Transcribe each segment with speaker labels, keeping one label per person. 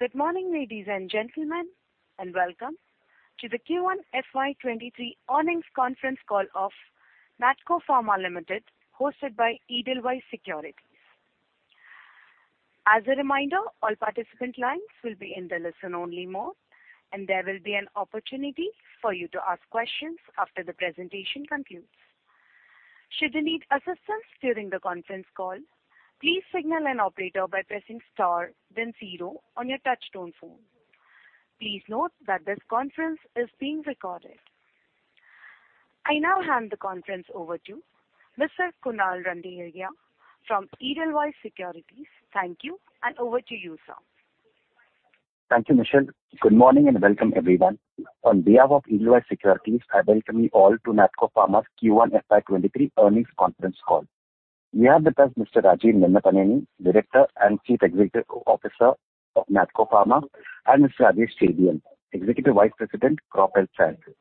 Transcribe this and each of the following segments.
Speaker 1: Good morning, ladies and gentlemen, and welcome to the Q1 FY23 earnings conference call of Natco Pharma Limited, hosted by Edelweiss Securities. As a reminder, all participant lines will be in the listen-only mode, and there will be an opportunity for you to ask questions after the presentation concludes. Should you need assistance during the conference call, please signal an operator by pressing star then zero on your touch-tone phone. Please note that this conference is being recorded. I now hand the conference over to Mr. Kunal Randeria from Edelweiss Securities. Thank you, and over to you, sir.
Speaker 2: Thank you, Michelle. Good morning, and welcome, everyone. On behalf of Edelweiss Securities, I welcome you all to Natco Pharma's Q1 FY 2023 earnings conference call. We have with us Mr. Rajeev Nannapaneni, Director and Chief Executive Officer of Natco Pharma, and Mr. Rajesh Chebiyam, Executive Vice President, Crop Health Sciences.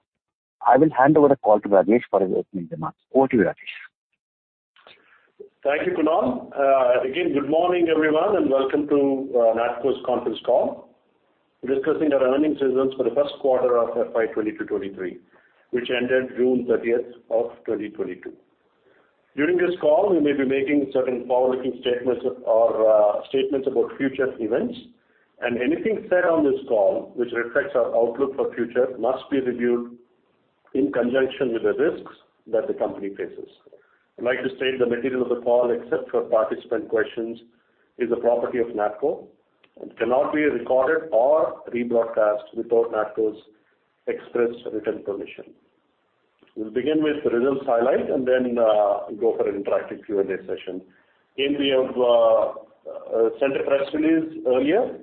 Speaker 2: I will hand over the call to Rajesh for his opening remarks. Over to you, Rajesh.
Speaker 3: Thank you, Kunal. Again, good morning, everyone, and welcome to Natco's conference call discussing our earnings results for the Q1 of FY 2022/2023, which ended June 30, 2022. During this call, we may be making certain forward-looking statements or statements about future events. Anything said on this call which reflects our outlook for future must be reviewed in conjunction with the risks that the company faces. I'd like to state that the material of the call, except for participant questions, is the property of Natco and cannot be recorded or rebroadcast without Natco's express written permission. We'll begin with the results highlight, and then go for interactive Q&A session. On behalf of, sent a press release earlier.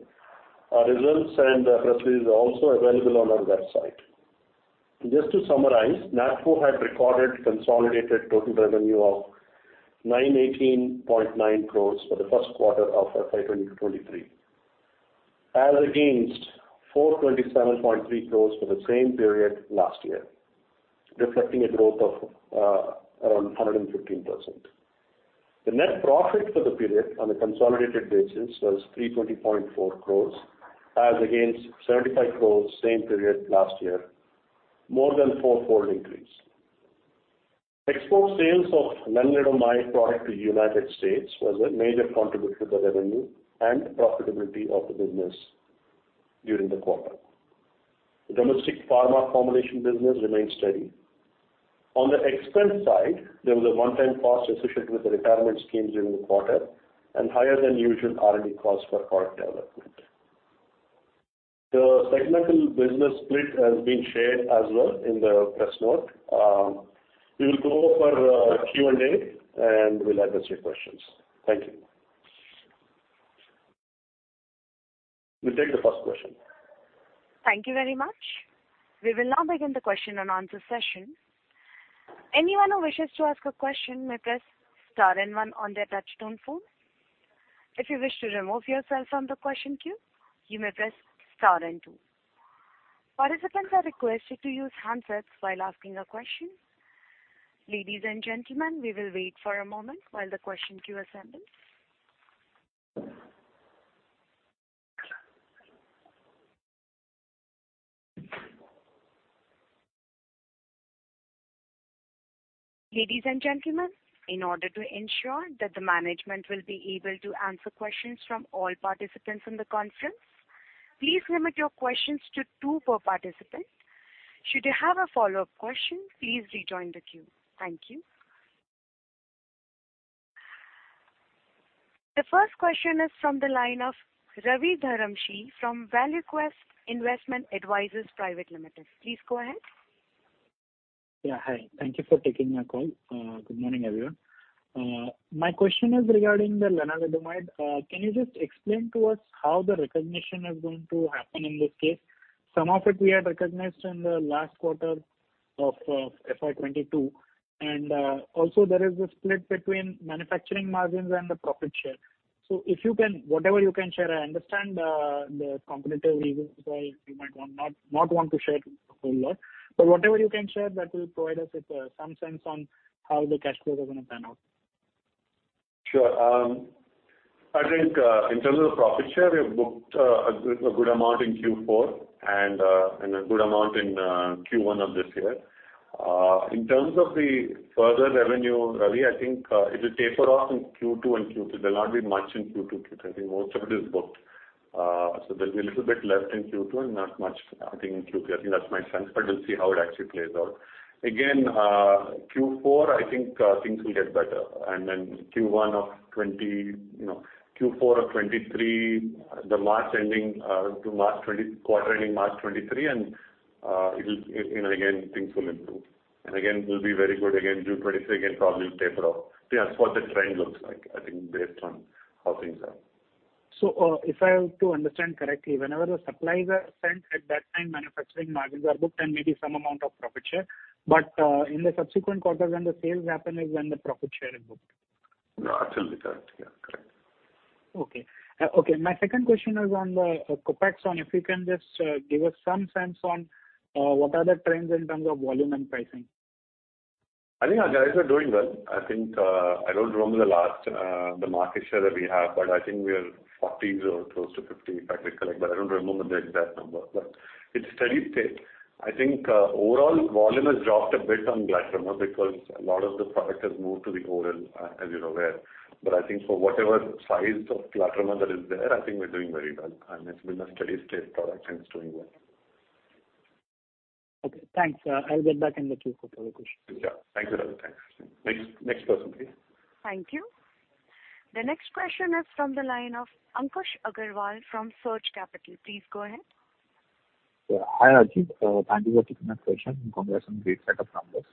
Speaker 3: Our results and press release are also available on our website. Just to summarize, Natco had recorded consolidated total revenue of 918.9 crores for the Q1 of FY 2022/2023, as against 427.3 crores for the same period last year, reflecting a growth of around 115%. The net profit for the period on a consolidated basis was 320.4 crores as against 75 crores same period last year, more than fourfold increase. Export sales of lenalidomide product to United States was a major contributor to the revenue and profitability of the business during the quarter. The domestic pharma formulation business remained steady. On the expense side, there was a one-time cost associated with the retirement schemes during the quarter and higher than usual R&D costs for product development. The segmental business split has been shared as well in the press note. We will go for Q&A, and we'll address your questions. Thank you. We'll take the first question.
Speaker 1: Thank you very much. We will now begin the question and answer session. Anyone who wishes to ask a question may press star and one on their touchtone phone. If you wish to remove yourself from the question queue, you may press star and two. Participants are requested to use handsets while asking a question. Ladies and gentlemen, we will wait for a moment while the question queue assembles. Ladies and gentlemen, in order to ensure that the management will be able to answer questions from all participants in the conference, please limit your questions to two per participant. Should you have a follow-up question, please rejoin the queue. Thank you. The first question is from the line of Ravi Dharamshi from Valuequest Investment Advisors Private Limited. Please go ahead.
Speaker 4: Yeah. Hi. Thank you for taking my call. Good morning, everyone. My question is regarding the lenalidomide. Can you just explain to us how the recognition is going to happen in this case? Some of it we had recognized in the last quarter of FY 2022, and also there is a split between manufacturing margins and the profit share. If you can, whatever you can share, I understand the competitive reasons why you might not want to share a whole lot, but whatever you can share that will provide us with some sense on how the cash flow is going to pan out.
Speaker 3: Sure. I think in terms of profit share, we have booked a good amount in Q4 and a good amount in Q1 of this year. In terms of the further revenue, Ravi, I think it will taper off in Q2 and Q3. There'll not be much in Q2, Q3. I think most of it is booked. So there'll be a little bit left in Q2 and not much, I think, in Q3. I think that's my sense, but we'll see how it actually plays out. Again, Q4, I think things will get better. Q1 of 2020. Q4 of 2023, the March ending quarter ending March 2023, it'll again, things will improve. Again, we'll be very good again. June 2023 again probably will taper off. Yeah, that's what the trend looks like, I think, based on how things are.
Speaker 4: If I have to understand correctly, whenever the supplies are sent, at that time manufacturing margins are booked and maybe some amount of profit share, but in the subsequent quarters when the sales happen is when the profit share is booked.
Speaker 3: No, absolutely correct. Yeah, correct.
Speaker 4: Okay, my second question is on Copaxone. If you can just give us some sense on what are the trends in terms of volume and pricing?
Speaker 5: I think our guys are doing well. I think, I don't remember the last, the market share that we have, but I think we are 40% or close to 50%, if I recall it, but I don't remember the exact number. It's steady state. I think, overall volume has dropped a bit on glatiramer because a lot of the product has moved to the oral, as you're aware. I think for whatever size of glatiramer that is there, I think we're doing very well, and it's been a steady-state product, and it's doing well.
Speaker 4: Okay, thanks. I'll get back in the queue for further questions.
Speaker 5: Yeah. Thank you, Rahul. Thanks. Next person, please.
Speaker 1: Thank you. The next question is from the line of Ankush Agrawal from Surge Capital. Please go ahead.
Speaker 6: Hi, Ajit. Thank you for taking my question, and congrats on great set of numbers.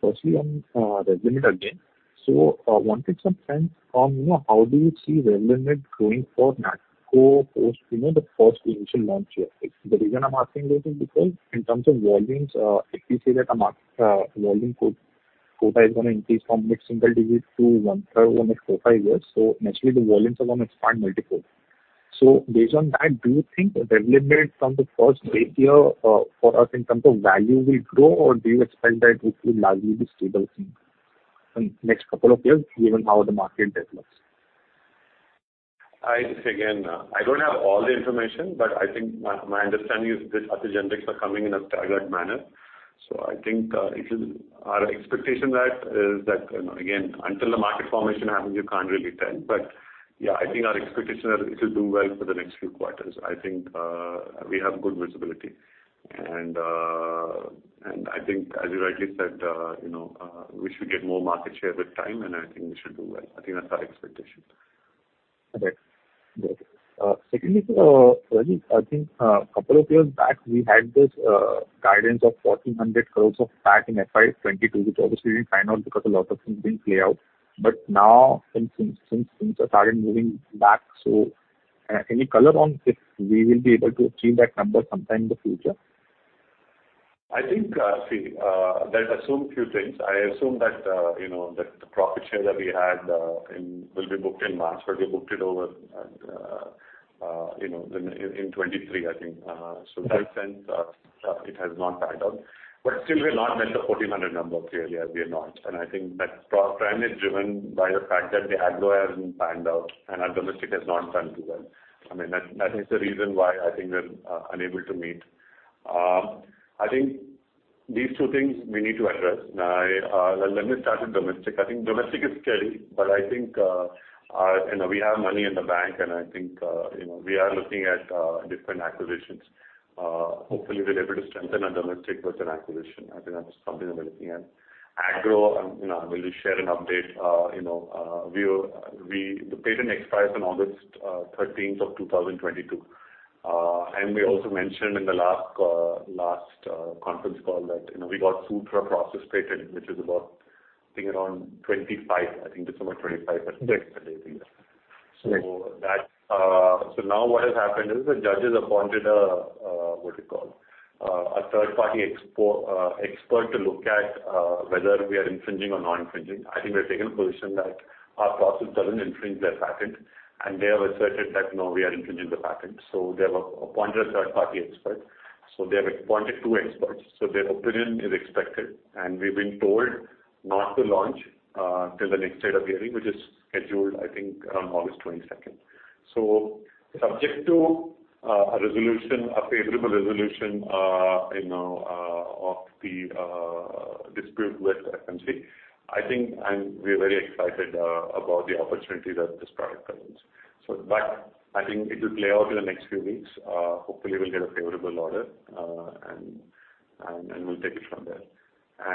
Speaker 6: Firstly, on Revlimid again. Wanted some sense from you, how do you see Revlimid growing for Natco post the first initial launch year? The reason I'm asking this is because in terms of volumes, if we say that the volume quota is going to increase from mid-single digits to one third over 4-5 years, so naturally the volumes are going to expand multi-fold. Based on that, do you think Revlimid from the first base year, for us in terms of value will grow, or do you expect that it will largely be stable in next couple of years given how the market develops?
Speaker 5: I just, again, I don't have all the information, but I think my understanding is this other generics are coming in a staggered manner. I think our expectation is that again, until the market formation happens, you can't really tell. Yeah, I think our expectation is it'll do well for the next few quarters. I think we have good visibility, and I think as you rightly said we should get more market share with time, and I think we should do well. I think that's our expectation.
Speaker 6: Okay. Got it. Secondly, Ajit, I think couple of years back we had this guidance of 1,400 crore of PAT in FY 2022, which obviously didn't pan out because a lot of things didn't play out. Now since things have started moving back, any color on if we will be able to achieve that number sometime in the future?
Speaker 5: I think that assumed few things. I assumed that you know that the profit share that we had in will be booked in March, but we booked it over you know in 2023, I think. So in that sense it has not panned out. Still we've not met the 1,400 number clearly, we have not. I think that's primarily driven by the fact that the agro hasn't panned out and our domestic has not done too well. I mean that is the reason why I think we're unable to meet. I think these two things we need to address. Now let me start with domestic. I think domestic is steady, but I think we have money in the bank, and I think we are looking at different acquisitions. Hopefully we'll be able to strengthen our domestic with an acquisition. I think that's something we're looking at. agro I will share an update. The patent expires on August 13, 2022. We also mentioned in the last conference call that we got sued for a process patent, which is about, I think around 25, I think it's about 25 patents that they filed.
Speaker 6: Right.
Speaker 5: What has happened is the judge appointed a, what you call, a third party expert to look at whether we are infringing or not infringing. I think we've taken a position that our process doesn't infringe their patent, and they have asserted that, no, we are infringing the patent. They have appointed a third party expert. They have appointed two experts, their opinion is expected. We've been told not to launch till the next date of hearing, which is scheduled, I think around August 22. Subject to a resolution, a favorable resolution of the dispute with FMC, I think, we are very excited about the opportunity that this product presents. I think it will play out in the next few weeks. Hopefully we'll get a favorable order, and we'll take it from there.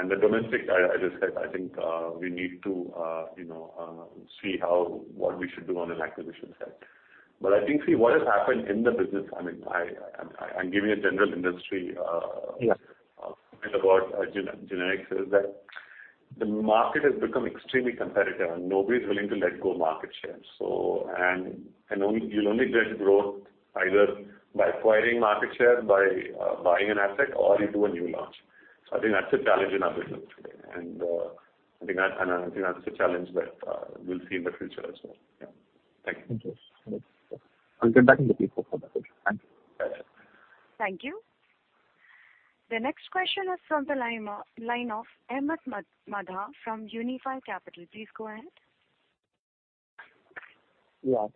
Speaker 5: The domestic, I just said, I think, we need to you know see how what we should do on an acquisition set. I think, see, what has happened in the business, I mean, I'm giving a general industry.
Speaker 6: Yeah.
Speaker 5: A bit about generics is that the market has become extremely competitive and nobody's willing to let go market share. You'll only get growth either by acquiring market share, by buying an asset or you do a new launch. I think that's a challenge in our business today. I think that's a challenge that we'll see in the future as well. Yeah. Thank you.
Speaker 6: Thank you. I'll get back in the queue for further questions. Thank you.
Speaker 1: Thank you. The next question is from the line of Ahmed Madha from Unifi Capital. Please go ahead.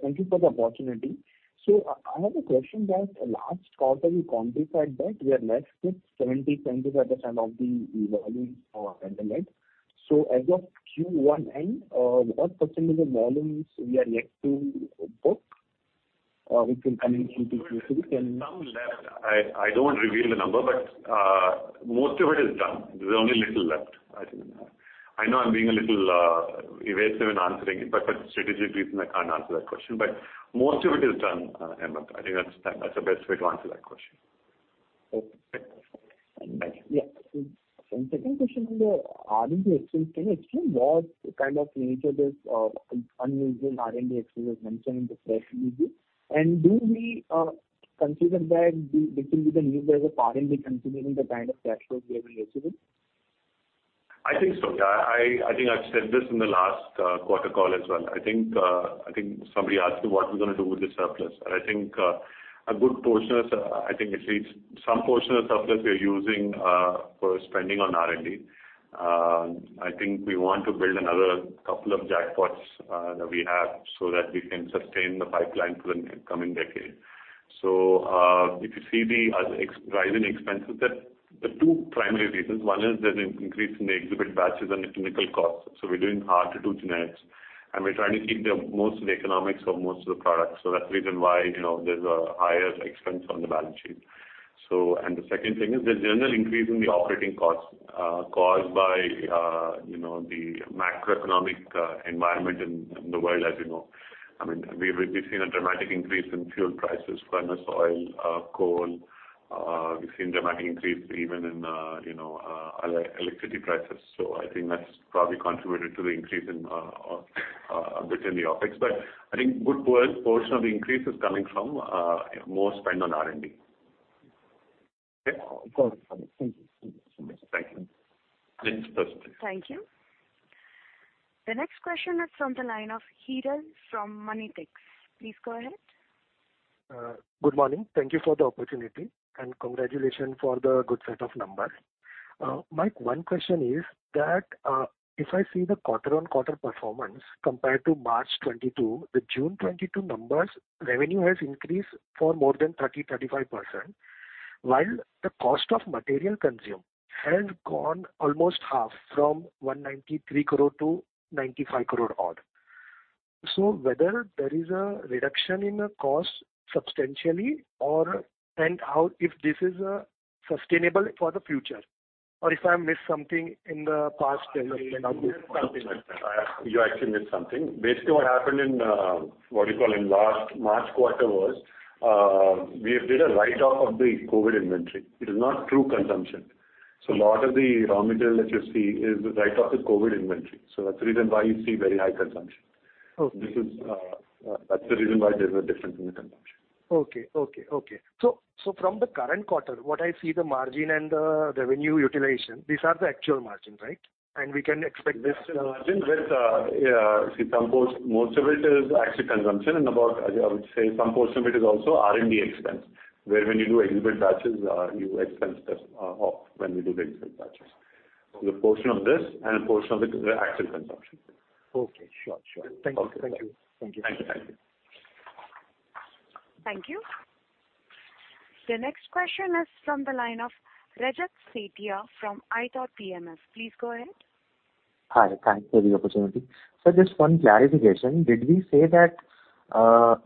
Speaker 7: Thank you for the opportunity. I have a question that last quarter you quantified that we are left with 70% of the volume for Revlimid. As of Q1 end, what percentage of volumes we are yet to book, which will come in Q2, Q3?
Speaker 5: There is some left. I don't want to reveal the number, but most of it is done. There's only a little left, I think. I know I'm being a little evasive in answering it, but for strategic reason, I can't answer that question. But most of it is done, Ahmed. I think that's the best way to answer that question.
Speaker 7: Okay.
Speaker 5: Thank you.
Speaker 7: Second question on the R&D expense. Can you explain what kind of nature this unusual R&D expense was mentioned in the press release? Do we consider that this will be the new base of R&D continuing the kind of cash flows we have been receiving?
Speaker 5: I think so, yeah. I think I've said this in the last quarter call as well. I think somebody asked you what we're going to do with the surplus. I think a good portion is at least some portion of the surplus we are using for spending on R&D. I think we want to build another couple of facilities that we have so that we can sustain the pipeline for the coming decade. If you see the increase in expenses, the two primary reasons. One is there's an increase in the exhibit batches and the clinical costs. We're doing hard-to-do generics, and we're trying to keep the most of the economics of most of the products. That's the reason why there's a higher expense on the balance sheet. The second thing is the general increase in the operating costs caused by the macroeconomic environment in the world, as you know. We've seen a dramatic increase in fuel prices, furnace oil, coal. We've seen dramatic increase even in electricity prices. I think that's probably contributed to the increase in OpEx a bit. But I think good portion of the increase is coming from more spend on R&D. Okay?
Speaker 7: Of course. Thank you.
Speaker 5: Thank you.
Speaker 7: Thank you so much.
Speaker 5: Thank you.
Speaker 1: Thank you. The next question is from the line of Hiral from Moneytech. Please go ahead.
Speaker 8: Good morning. Thank you for the opportunity, and congratulations for the good set of numbers. My one question is that if I see the quarter-on-quarter performance compared to March 2022, the June 2022 numbers, revenue has increased by more than 35%, while the cost of material consumed has gone almost half from 193 crore to 95 crore odd. Whether there is a reduction in the cost substantially, and how if this is sustainable for the future, or if I missed something in the past development.
Speaker 5: You missed something like that. You actually missed something. Basically, what happened in what you call in last March quarter was, we did a write-off of the COVID inventory. It is not true consumption. So a lot of the raw material that you see is the write-off of COVID inventory. So that's the reason why you see very high consumption.
Speaker 8: Okay.
Speaker 5: That's the reason why there's a difference in the consumption.
Speaker 8: Okay. From the current quarter, what I see the margin and the revenue utilization, these are the actual margins, right? We can expect-
Speaker 5: This is the margin with see, some portion most of it is actually consumption and, I would say, some portion of it is also R&D expense, where when you do exhibit batches, you expense this off when we do the exhibit batches. A portion of this and a portion of it is the actual consumption.
Speaker 8: Okay. Sure. Sure.
Speaker 5: Okay.
Speaker 8: Thank you. Thank you.
Speaker 5: Thank you.
Speaker 1: Thank you. The next question is from the line of Rajat Sethia from iThought PMS. Please go ahead.
Speaker 9: Hi. Thank you for the opportunity. Sir, just one clarification. Did we say that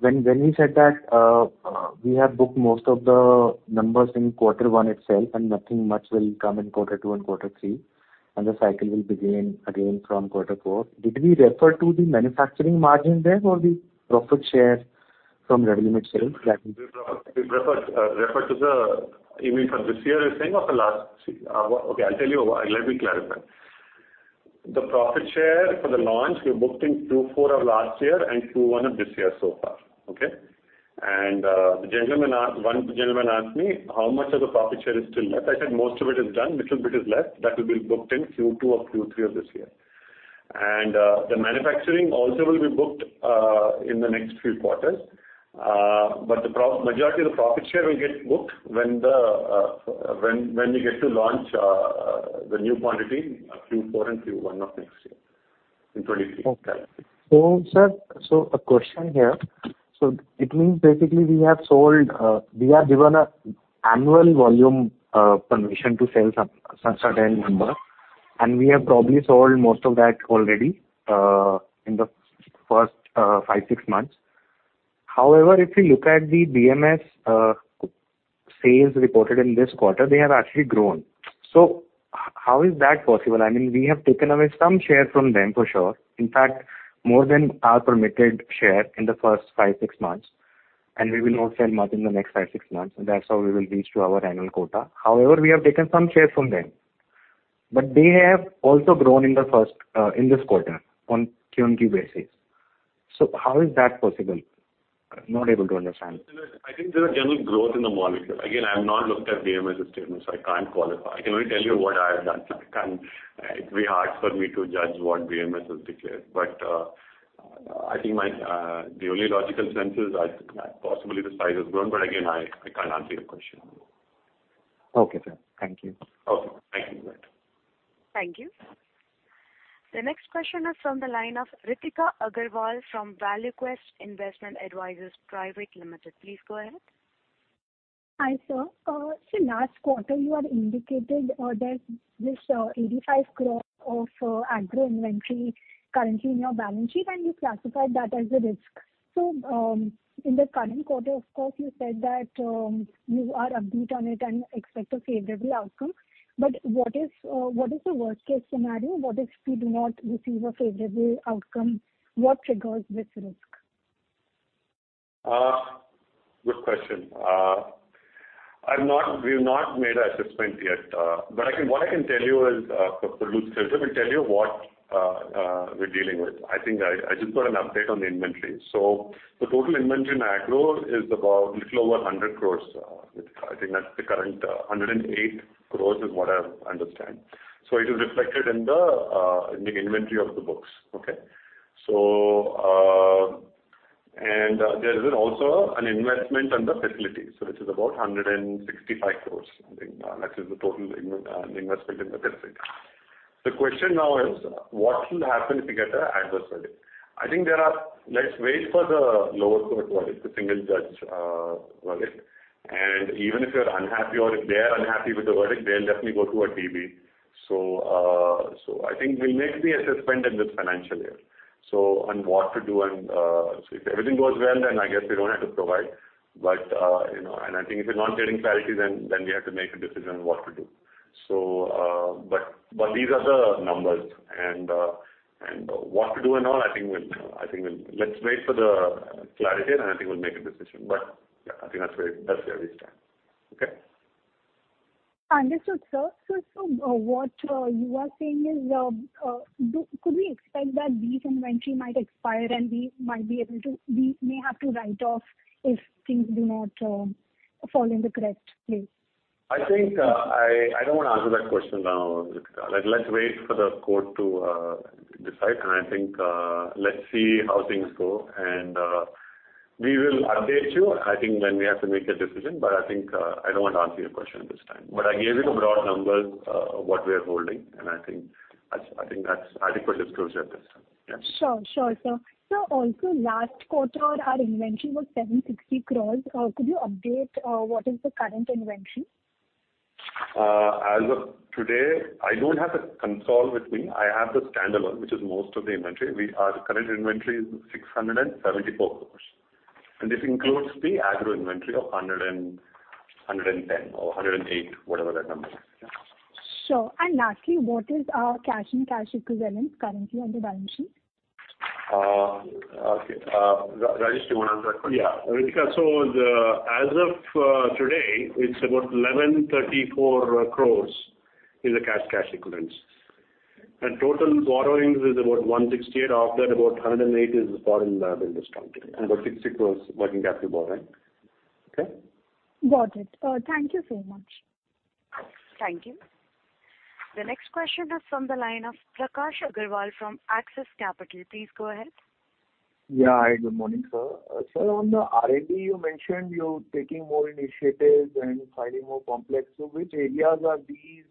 Speaker 9: when we said that we have booked most of the numbers in quarter one itself and nothing much will come in quarter two and quarter three, and the cycle will begin again from quarter four, did we refer to the manufacturing margin there or the profit share from Revlimid sales?
Speaker 5: You mean from this year you're saying or the last? See, okay, I'll tell you. Let me clarify. The profit share for the launch, we booked in Q4 of last year and Q1 of this year so far. Okay? One gentleman asked me how much of the profit share is still left. I said most of it is done, little bit is left. That will be booked in Q2 or Q3 of this year. The manufacturing also will be booked in the next few quarters. But the majority of the profit share will get booked when we get to launch the new quantity Q4 and Q1 of next year in 2023.
Speaker 9: Okay. Sir, a question here. It means basically we have sold, we are given an annual volume permission to sell some certain number, and we have probably sold most of that already in the first 5, 6 months. However, if you look at the BMS sales reported in this quarter, they have actually grown. How is that possible? I mean, we have taken away some share from them for sure. In fact, more than our permitted share in the first 5, 6 months, and we will not sell much in the next 5, 6 months, and that's how we will reach to our annual quota. However, we have taken some shares from them, but they have also grown in this quarter on QoQ basis. How is that possible? I'm not able to understand.
Speaker 5: I think there's a general growth in the molecule. Again, I've not looked at BMS's statements, so I can't qualify. I can only tell you what I have done. I can't. It'd be hard for me to judge what BMS has declared. I think my, the only logical sense is I think possibly the size has grown, but again, I can't answer your question.
Speaker 9: Okay, sir. Thank you.
Speaker 5: Okay. Thank you.
Speaker 1: Thank you. The next question is from the line of Ritika Aggarwal from Valuequest Investment Advisors Private Limited. Please go ahead.
Speaker 10: Hi, sir. Last quarter, you had indicated that this 85 crore of agro inventory currently in your balance sheet, and you classified that as a risk. In the current quarter, of course, you said that you are upbeat on it and expect a favorable outcome. What is the worst-case scenario? What if we do not receive a favorable outcome? What triggers this risk?
Speaker 5: Good question. We've not made an assessment yet. But what I can tell you is, for full disclosure, we'll tell you what we're dealing with. I think I just got an update on the inventory. The total inventory in agro is about a little over 100 crore. I think that's the current, 108 crore is what I understand. It is reflected in the inventory of the books. Okay. And there is also an investment on the facility. This is about 165 crore, I think, that is the total investment in the facility. The question now is what will happen if you get an adverse verdict? I think there are. Let's wait for the lower court verdict, the single judge verdict. Even if you're unhappy or if they are unhappy with the verdict, they'll definitely go to a DB. I think we'll make the assessment in this financial year. On what to do and if everything goes well, then I guess we don't have to provide. I think if we're not getting clarity then we have to make a decision on what to do. These are the numbers and what to do and all, I think we'll. Let's wait for the clarity, and I think we'll make a decision. Yeah, I think that's where we stand. Okay?
Speaker 10: Understood, sir. What you are saying is, could we expect that these inventory might expire and we might be able to. We may have to write off if things do not fall in the correct place?
Speaker 5: I think I don't want to answer that question now. Let's wait for the court to decide, and I think let's see how things go. We will update you, I think, when we have to make a decision. I think I don't want to answer your question at this time. I gave you the broad numbers what we are holding, and I think that's adequate disclosure at this time. Yes.
Speaker 10: Sure. Sure, sir. Sir, also last quarter our revenue was 760 crores. Could you update what the current revenue is?
Speaker 5: As of today, I don't have the consolidated with me. I have the standalone, which is most of the inventory. Our current inventory is 674 crore, and this includes the agro inventory of 110 crore or 108 crore, whatever that number is.
Speaker 10: Sure. Lastly, what is our cash and cash equivalents currently on the balance sheet?
Speaker 5: Rajesh, you want to answer that question?
Speaker 3: Ritika, so as of today, it's about 1,134 crore in the cash equivalents. Total borrowings is about 168 crore, after about 108 crore is the foreign loan in this currency, and about 60 crore working capital borrowing. Okay?
Speaker 10: Got it. Thank you so much.
Speaker 1: Thank you. The next question is from the line of Prakash Agarwal from Axis Capital. Please go ahead.
Speaker 11: Yeah. Hi, good morning, sir. Sir, on the R&D, you mentioned you're taking more initiatives and filing more complex. Which areas are these?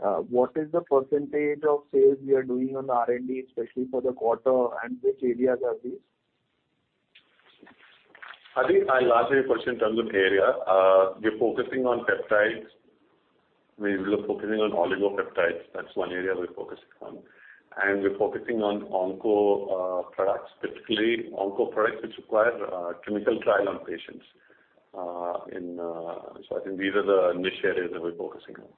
Speaker 11: What is the percentage of sales we are doing on R&D, especially for the quarter, and which areas are these?
Speaker 5: I think I'll answer your question in terms of area. We're focusing on peptides. We're focusing on oligonucleotides. That's one area we're focusing on. We're focusing on onco products, specifically onco products which require clinical trial on patients. I think these are the initial areas that we're focusing on.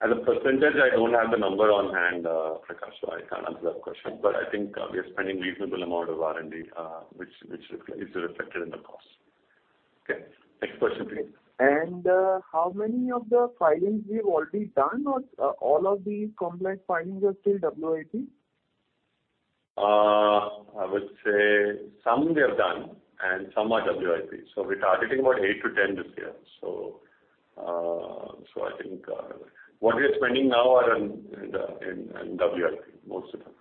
Speaker 5: As a percentage, I don't have the number on hand, Prakash, so I can't answer that question. I think we are spending reasonable amount of R&D, which is reflected in the costs. Okay. Next question please.
Speaker 11: How many of the filings we've already done or all of these complex filings are still WIP?
Speaker 5: I would say some we have done and some are WIP. We're targeting about 8-10 this year. I think what we are spending now are in the WIP, most of them.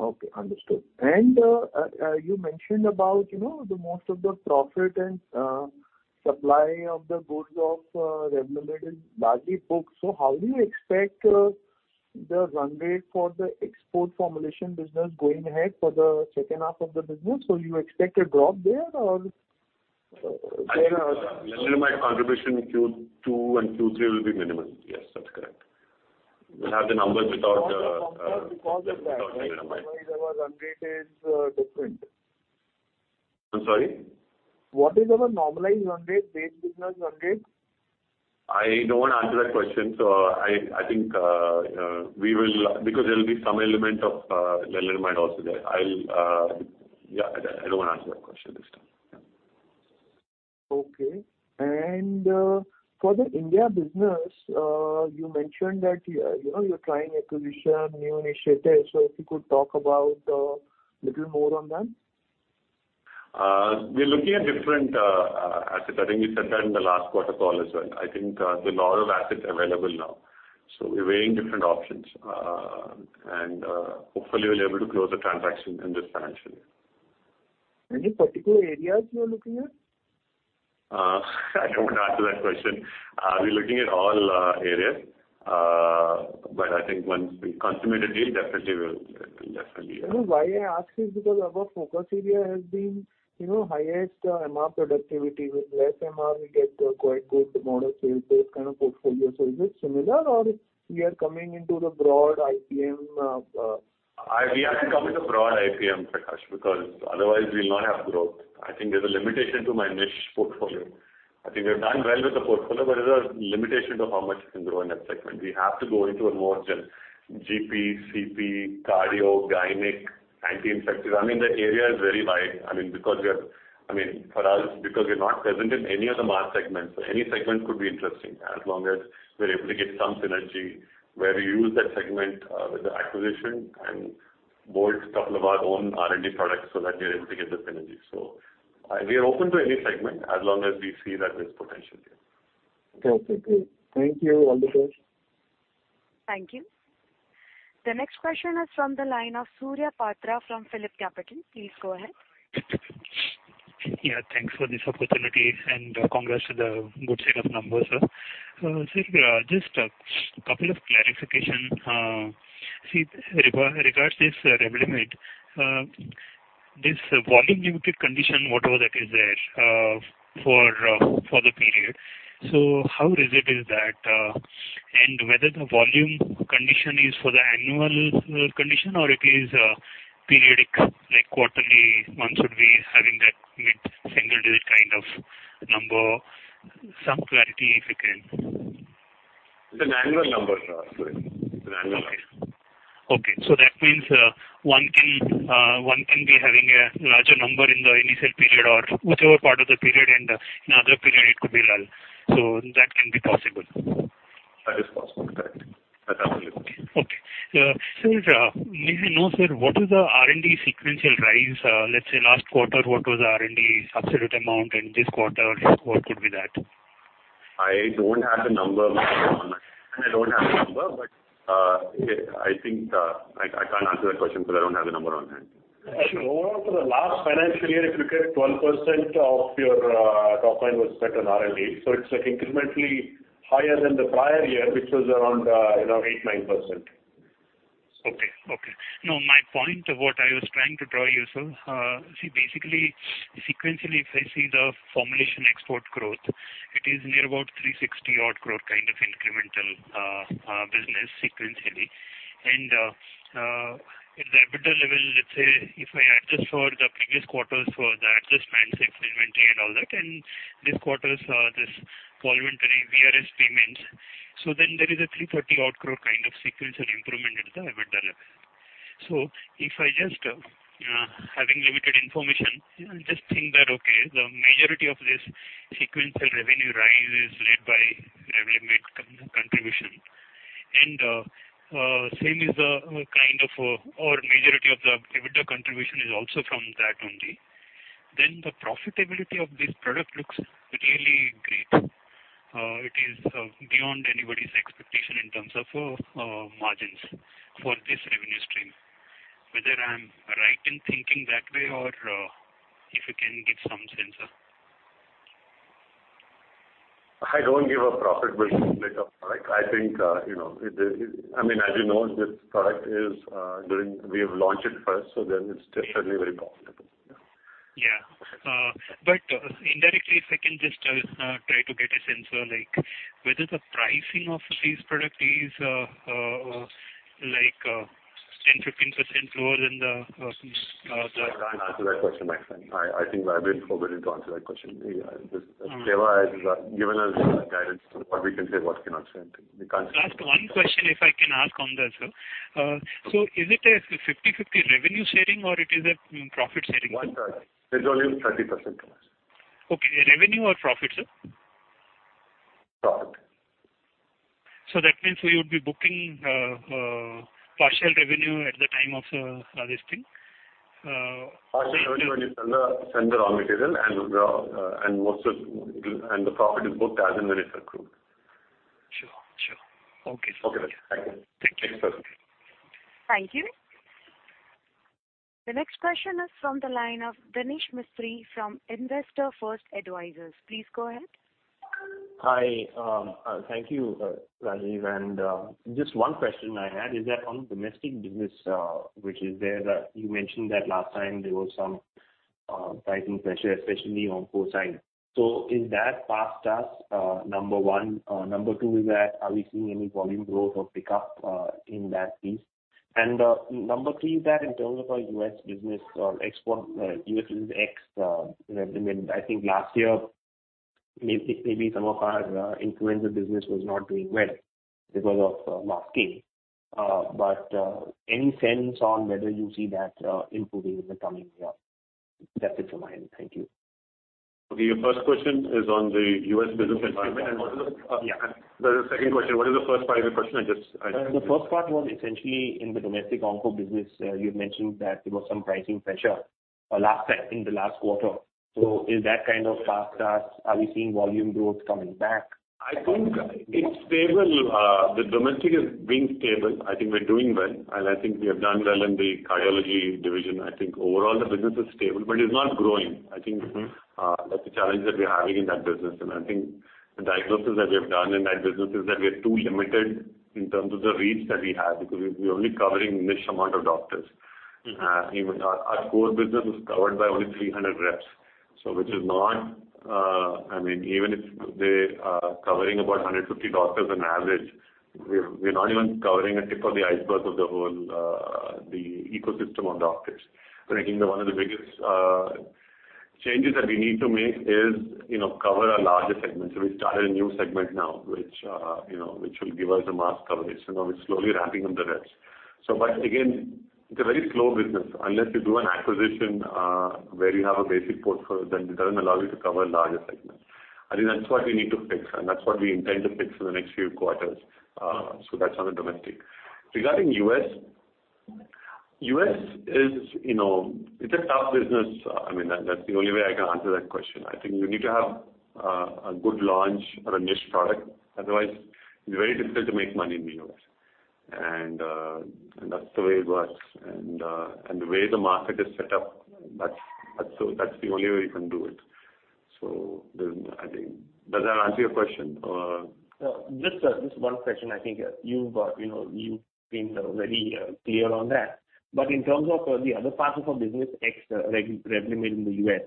Speaker 11: Okay, understood. You mentioned about the bulk of the profit and supply of the goods of Revlimid in large volumes. How do you expect the run rate for the export formulation business going ahead for the second half of the business? You expect a drop there or there are
Speaker 5: I think, Revlimid contribution in Q2 and Q3 will be minimum. Yes, that's correct. We'll have the numbers without the,
Speaker 11: What is the compound because of that? I mean, our run rate is different.
Speaker 5: I'm sorry?
Speaker 11: What is our normalized run rate, base business run rate?
Speaker 5: I don't want to answer that question. I think we will because there will be some element of Revlimid also there. I don't want to answer that question this time. Yeah.
Speaker 11: Okay. For the India business, you mentioned that you're trying acquisition, new initiatives. If you could talk about little more on that.
Speaker 5: We're looking at different assets. I think we said that in the last quarter call as well. I think there are a lot of assets available now. We're weighing different options. Hopefully we'll be able to close the transaction in this financial year.
Speaker 11: Any particular areas you are looking at?
Speaker 5: I don't want to answer that question. We're looking at all areas. I think once we consummate a deal, definitely we'll definitely.
Speaker 11: why I ask is because our focus area has been highest MR productivity. With less MR we get quite good mono sales-based kind of portfolio. Is it similar or we are coming into the broad IPM?
Speaker 5: We have to come into broad IPM, Prakash, because otherwise we'll not have growth. I think there's a limitation to my niche portfolio. I think we've done well with the portfolio, but there's a limitation to how much you can grow in that segment. We have to go into a more generic GP, CP, cardio, gynec, anti-infective. I mean, the area is very wide. I mean, because we are. I mean, for us, because we're not present in any of the mass segments, any segment could be interesting, as long as we're able to get some synergy where we use that segment with the acquisition and bolt-on a couple of our own R&D products so that we're able to get the synergy. We are open to any segment as long as we see that there's potential there. Okay, great.
Speaker 11: Thank you. All the best.
Speaker 1: Thank you. The next question is from the line of Surya Patra from PhillipCapital. Please go ahead.
Speaker 12: Yeah, thanks for this opportunity, and congrats to the good set of numbers, sir. Sir, just a couple of clarification. Regards this Revlimid, this volume limited condition, whatever that is there, for the period. How rigid is that? Whether the volume condition is for the annual condition or it is periodic, like quarterly, one should be having that mid-single digit kind of number. Some clarity, if you can.
Speaker 5: It's an annual number, sir. It's an annual number.
Speaker 12: That means one can be having a larger number in the initial period or whichever part of the period, and in other period it could be lull. That can be possible.
Speaker 5: That is possible. Correct. That's absolutely.
Speaker 12: Okay. Sir, may I know, sir, what is the R&D sequential rise? Let's say last quarter, what was the R&D absolute amount, and this quarter what could be that?
Speaker 5: I don't have the number on hand. I don't have the number, but, I think, I can't answer that question because I don't have the number on hand.
Speaker 3: Actually, overall for the last financial year, if you get 12% of your top line was spent on R&D, so it's like incrementally higher than the prior year, which was around 8%-9%.
Speaker 12: No, my point what I was trying to draw you, sir, see, basically sequentially, if I see the formulation export growth, it is near about 360 crore kind of incremental business sequentially. At the EBITDA level, let's say if I adjust for the previous quarters for the adjusted FG inventory and all that, and this quarter's this voluntary VRS payments. Then there is a 330 crore kind of sequential improvement at the EBITDA level. If I just, having limited information, just think that, okay, the majority of this sequential revenue rise is led by Revlimid contribution, and same is the kind of, or majority of the EBITDA contribution is also from that only, then the profitability of this product looks really great. It is beyond anybody's expectation in terms of margins for this revenue stream. Whether I'm right in thinking that way or if you can give some sense?
Speaker 5: I don't give a profitability split of product. I think I mean, as this product is, we have launched it first, so then it's certainly very profitable.
Speaker 12: Yeah. Indirectly, if I can just try to get a sense of like whether the pricing of this product is like 10%-15% lower than the
Speaker 5: I can't answer that question, my friend. I think I'm a bit forbidden to answer that question. Teva has given us guidance to what we can say, what we cannot say. We can't say.
Speaker 12: Last one question if I can ask on that, sir. Is it a 50/50 revenue sharing or it is a profit sharing?
Speaker 5: One second. Revenue is 30%.
Speaker 12: Okay. Revenue or profit, sir?
Speaker 5: Profit.
Speaker 12: That means we would be booking partial revenue at the time of this thing.
Speaker 5: Partial revenue when you send the raw material, and the profit is booked as and when it's accrued.
Speaker 12: Sure. Okay, sir.
Speaker 5: Okay. Thank you.
Speaker 12: Thank you, sir.
Speaker 1: Thank you. The next question is from the line of Danesh Mistry from Investor First Advisors. Please go ahead.
Speaker 13: Hi. Thank you, Rajeev. Just one question I had is that on domestic business, which is there that you mentioned that last time there was some pricing pressure, especially on Copaxone. Is that past us, number one? Number two is that are we seeing any volume growth or pickup in that piece? Number three is that in terms of our US business or export US business ex. I mean, I think last year, maybe some of our infliximab business was not doing well because of last year. But any sense on whether you see that improving in the coming year? That's it from my end. Thank you.
Speaker 5: Okay. Your first question is on the U.S. business environment.
Speaker 13: Yeah.
Speaker 5: The second question. What is the first part of the question?
Speaker 13: The first part was essentially in the domestic onco business. You had mentioned that there was some pricing pressure last time in the last quarter. Is that kind of past us? Are we seeing volume growth coming back?
Speaker 5: I think it's stable. The domestic is being stable. I think we're doing well, and I think we have done well in the cardiology division. I think overall the business is stable, but it's not growing. I think that's the challenge that we're having in that business. The diagnosis that we have done in that business is that we are too limited in terms of the reach that we have, because we're only covering niche amount of doctors. Even our core business is covered by only 300 reps. Which is not. I mean, even if they are covering about 150 doctors on average, we're not even covering a tip of the iceberg of the whole ecosystem of doctors. I think one of the biggest changes that we need to make is cover a larger segment. We started a new segment now, which will give us a mass coverage. We're slowly ramping up the reps. But again, it's a very slow business. Unless you do an acquisition, where you have a basic portfolio, then it doesn't allow you to cover a larger segment. I think that's what we need to fix, and that's what we intend to fix in the next few quarters. That's on the domestic. Regarding US is it's a tough business. I mean, that's the only way I can answer that question. I think you need to have a good launch or a niche product, otherwise it's very difficult to make money in the US. That's the way it works. The way the market is set up, that's the only way you can do it. There's nothing. Does that answer your question or?
Speaker 13: Just one question. I think you've got you've been very clear on that. In terms of the other parts of our business, ex revenue made in the US.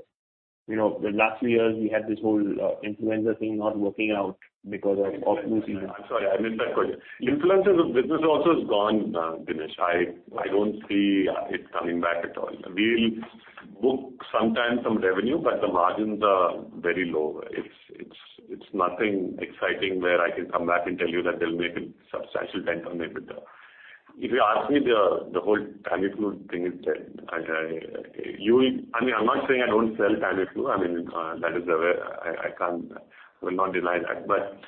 Speaker 13: The last few years we had this whole influenza thing not working out because of, obviously.
Speaker 5: I'm sorry. I missed that question. Influenza as a business also is gone now, Danesh. I don't see it coming back at all. We'll book sometimes some revenue, but the margins are very low. It's nothing exciting where I can come back and tell you that they'll make a substantial dent on the bottom. If you ask me the whole Tamiflu thing is dead. I mean, I'm not saying I don't sell Tamiflu. I mean, that is a very commodity product. I will not deny that, but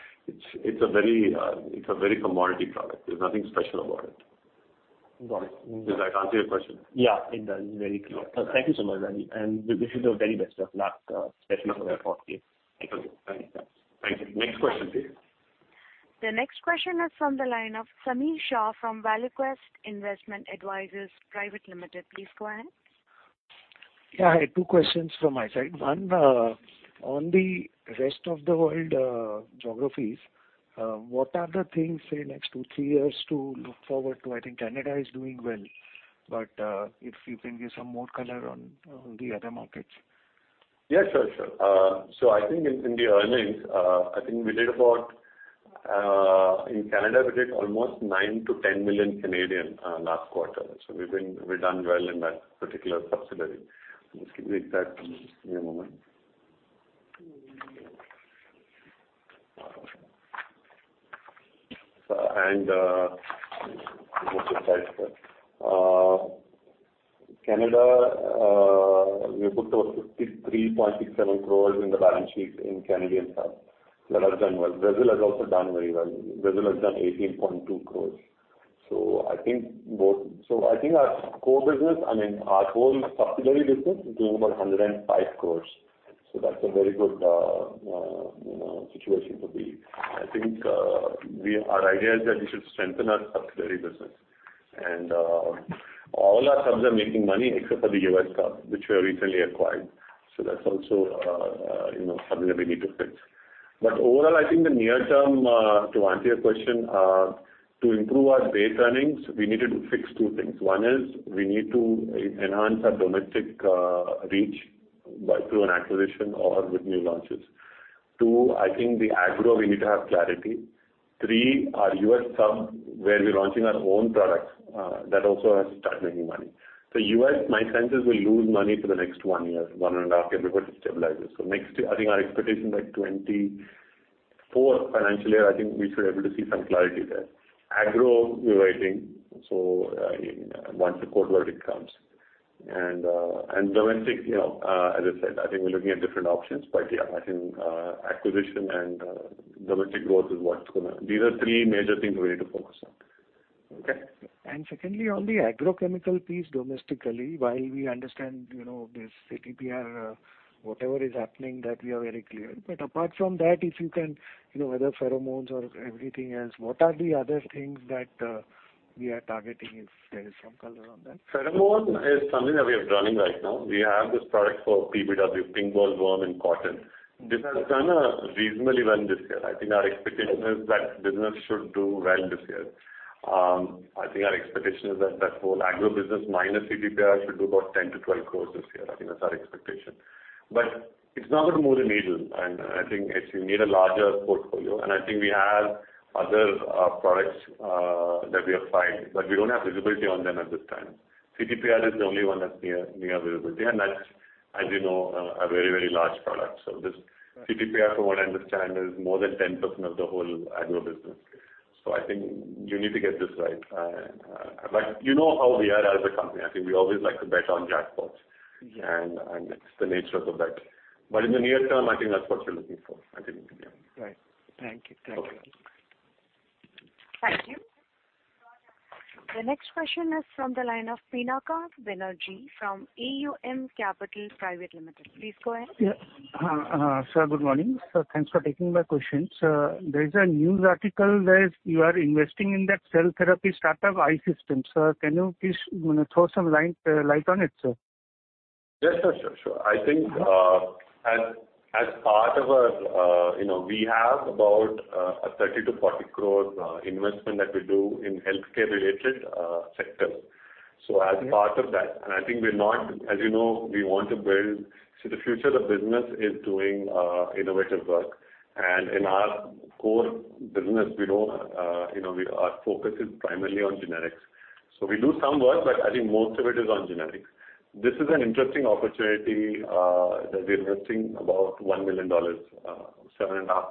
Speaker 5: it's a very commodity product. There's nothing special about it.
Speaker 13: Got it.
Speaker 5: Does that answer your question?
Speaker 13: Yeah, it does. Very clear. Thank you so much, Rajeev Nannapaneni. Wish you the very best of luck, especially for the Q4.
Speaker 5: Thank you. Thank you. Next question, please.
Speaker 1: The next question is from the line of Sameer Shah from Valuequest Investment Advisors Private Limited. Please go ahead.
Speaker 14: Yeah. I had two questions from my side. One, on the rest of the world geographies, what are the things, say, next 2, 3 years to look forward to? I think Canada is doing well, but if you can give some more color on the other markets.
Speaker 5: Yeah, sure. I think in the earnings, we did almost 9-10 million in Canada last quarter. We've done well in that particular subsidiary. Just give me a moment.
Speaker 14: No surprise, sir.
Speaker 5: Canada, we put those 53.67 crore in the balance sheet in Canadian sub. That has done well. Brazil has also done very well. Brazil has done 18.2 crore. I think our core business, I mean, our whole subsidiary business is doing about 105 crore. That's a very good situation to be. I think our idea is that we should strengthen our subsidiary business. All our subs are making money except for the US sub, which we have recently acquired. That's also a something that we need to fix. But overall, I think the near term, to answer your question, to improve our base earnings, we need to fix two things. One is we need to enhance our domestic reach through an acquisition or with new launches. Two, I think the agro, we need to have clarity. Three, our US sub, where we're launching our own products, that also has to start making money. US, my sense is we'll lose money for the next one year, one and a half year, but it stabilizes. Next year, I think our expectation by 2024 financial year, I think we should be able to see some clarity there. Agro, we're waiting once the court verdict comes. domestic as I said, I think we're looking at different options. Yeah, I think acquisition and domestic growth is what's going to. These are three major things we need to focus on. Okay?
Speaker 14: Secondly, on the agrochemical piece domestically, while we understand this CTPR, whatever is happening, that we are very clear. Apart from that, if you can whether pheromones or everything else, what are the other things that we are targeting, if there is some color on that?
Speaker 5: Pheromone is something that we are running right now. We have this product called PBW, pink bollworm in cotton. This has done reasonably well this year. I think our expectation is that business should do well this year. I think our expectation is that whole agro business minus CTPR should do about 10-12 crores this year. I think that's our expectation. It's not going to move the needle. You need a larger portfolio, and I think we have other products that we applied, but we don't have visibility on them at this time. CTPR is the only one that's near visibility, and that's, as a very, very large product. This CTPR, from what I understand, is more than 10% of the whole agro business. I think you need to get this right. You know how we are as a company. I think we always like to bet on jackpots.
Speaker 14: Yeah.
Speaker 5: It's the nature of the bet. In the near term, I think that's what you're looking for. I think in the end.
Speaker 14: Right. Thank you. Thank you.
Speaker 1: Thank you. The next question is from the line of Pinaki Banerjee from AUM Capital Market Private Limited. Please go ahead.
Speaker 15: Yeah. Sir, good morning. Sir, thanks for taking my questions. There is a news article where you are investing in that cell therapy startup iSystems. Sir, can you please throw some light on it, sir?
Speaker 5: Yes, sure. I think, as part of our we have about 30-40 crores investment that we do in healthcare related sectors. As part of that, the future of business is doing innovative work. In our core business, we don't our focus is primarily on generics. We do some work, but I think most of it is on generics. This is an interesting opportunity that we're investing about $1 million, 7.5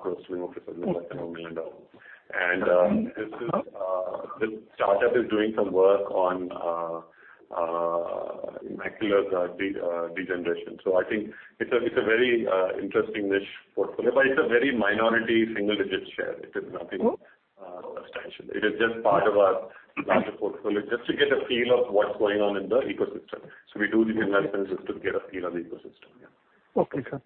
Speaker 5: crores, roughly looks like $1 million. This startup is doing some work on Macular degeneration. I think it's a very interesting niche portfolio, but it's a very minor single-digit share. It is nothing.
Speaker 15: Mm-hmm.
Speaker 5: Substantial. It is just part of our larger portfolio, just to get a feel of what's going on in the ecosystem. We do these investments just to get a feel of the ecosystem, yeah.
Speaker 15: Okay, sir.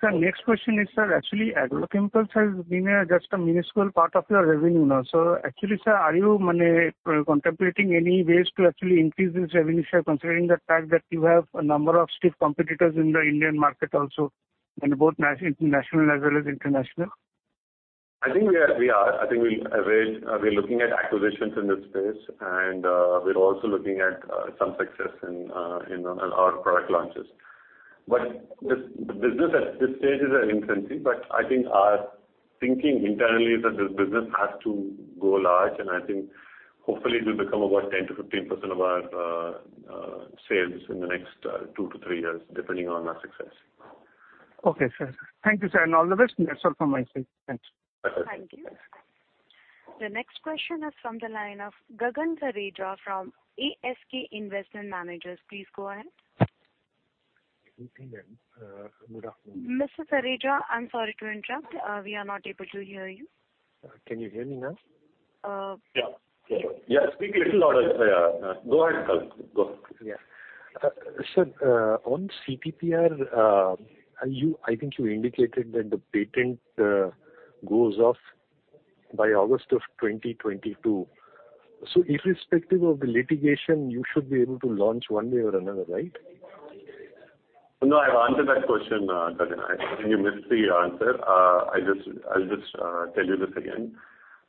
Speaker 15: Sir, next question is, sir, actually Agro Impulse has been just a minuscule part of your revenue now. Actually, sir, are you contemplating any ways to actually increase this revenue share considering the fact that you have a number of stiff competitors in the Indian market also, and both national as well as international?
Speaker 5: I think we are. I think we're looking at acquisitions in this space, and we're also looking at some success in our product launches. This business at this stage is at infancy, but I think our thinking internally is that this business has to go large, and I think hopefully it will become about 10%-15% of our sales in the next 2-3 years, depending on our success.
Speaker 15: Okay, sir. Thank you, sir, and all the best. That's all from my side. Thanks.
Speaker 5: Okay.
Speaker 1: Thank you. The next question is from the line of Gagan Thareja from ASK Investment Managers. Please go ahead.
Speaker 16: Good afternoon.
Speaker 1: Mr. Thareja, I'm sorry to interrupt. We are not able to hear you.
Speaker 16: Can you hear me now?
Speaker 1: Uh-
Speaker 5: Yeah. Speak a little louder, sir. Go ahead, Gagan. Go.
Speaker 16: Yeah. Sir, on CTPR, I think you indicated that the patent goes off by August of 2022. Irrespective of the litigation, you should be able to launch one way or another, right?
Speaker 5: No, I've answered that question, Gagan. I think you missed the answer. I'll just tell you this again.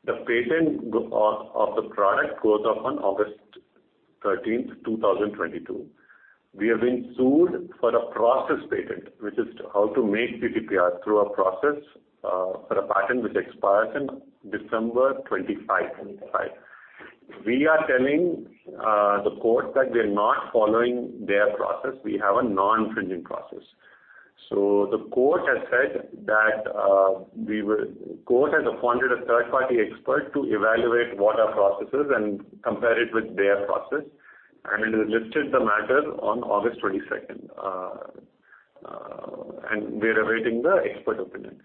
Speaker 5: The patent of the product goes off on August 13, 2022. We have been sued for a process patent, which is how to make CTPR through a process, for a patent which expires in December 25. We are telling the court that we're not following their process. We have a non-infringing process. Court has appointed a third-party expert to evaluate what are processes and compare it with their process, and it listed the matter on August 22. We're awaiting the expert opinion.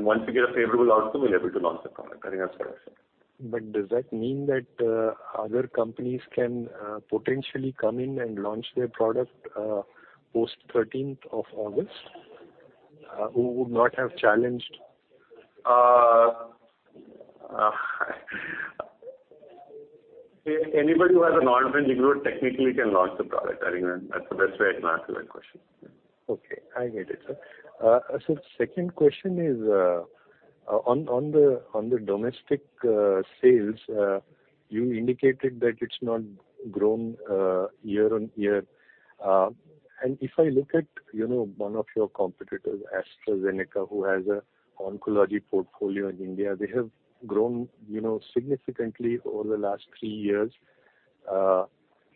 Speaker 5: Once we get a favorable outcome, we'll be able to launch the product. I think that's what I said.
Speaker 16: Does that mean that other companies can potentially come in and launch their product post thirteenth of August who would not have challenged?
Speaker 5: Anybody who has a non-infringement technically can launch the product. I think that's why I cannot answer that question.
Speaker 16: Okay. I get it, sir. Second question is on the domestic sales. You indicated that it's not grown year on year. If I look at one of your competitors, AstraZeneca, who has an oncology portfolio in India, they have grown significantly over the last three years.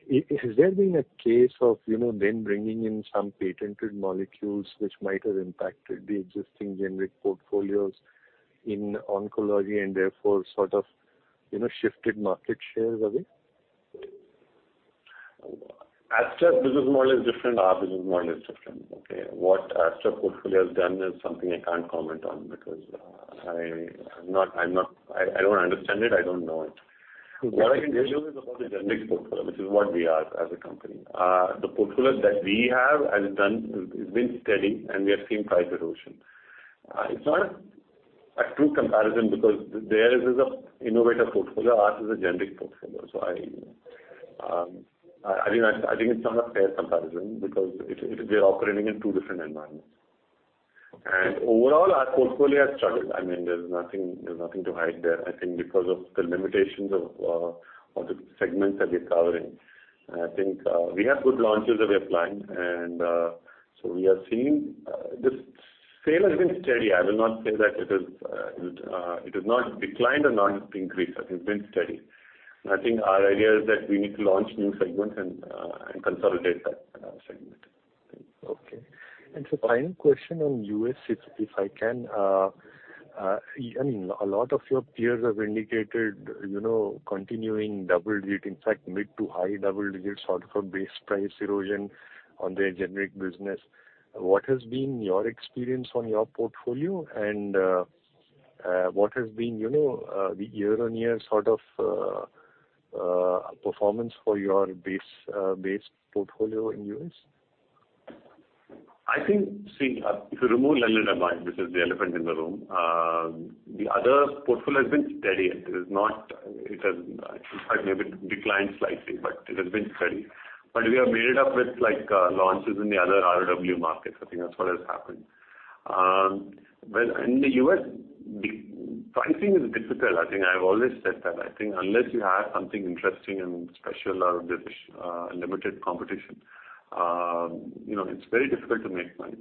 Speaker 16: Has there been a case of them bringing in some patented molecules which might have impacted the existing generic portfolios in oncology and therefore sort of shifted market shares away?
Speaker 5: Astra business model is different, our business model is different, okay? What Astra portfolio has done is something I can't comment on because I'm not. I don't understand it. I don't know it.
Speaker 16: Okay.
Speaker 5: What I can tell you is about the generics portfolio, which is what we are as a company. The portfolio that we have has been steady, and we have seen price erosion. It's not a true comparison because theirs is an innovator portfolio, ours is a generic portfolio. I think it's not a fair comparison because we're operating in two different environments. Overall, our portfolio has struggled. I mean, there's nothing to hide there. I think because of the limitations of the segments that we're covering. I think we have good launches that we are planning, so we are seeing the sales have been steady. I will not say that it has not declined or not increased. I think it's been steady. I think our idea is that we need to launch new segments and consolidate that segment.
Speaker 16: Okay. Final question on US, if I can. I mean, a lot of your peers have indicated continuing double-digit, in fact, mid to high double-digit sort of a base price erosion on their generic business. What has been your experience on your portfolio and what has been the year-on-year sort of performance for your base portfolio in US?
Speaker 5: I think, see, if you remove lenalidomide, which is the elephant in the room, the other portfolio has been steady. It has, in fact, maybe declined slightly, but it has been steady. We have made it up with like, launches in the other ROW markets. I think that's what has happened. Well, in the US, the pricing is difficult. I think I've always said that. I think unless you have something interesting and special or there's, limited competition it's very difficult to make money.